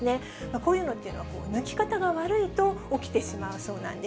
こういうのっていうのは、抜き方が悪いと起きてしまうそうなんです。